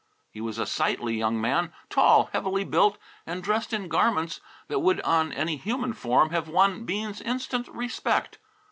He was a sightly young man, tall, heavily built, and dressed in garments that would on any human form have won Bean's instant respect.